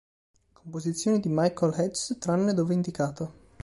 Composizioni di Michael Hedges tranne dove indicato